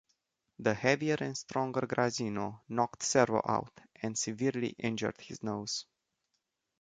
The heavier and stronger Graziano knocked Servo out and severely injured his nose.